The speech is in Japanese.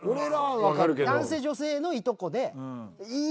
男性女性のいとこでいい